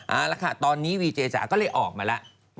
เอาละค่ะตอนนี้วีเจจ๋าก็เลยออกมาแล้ว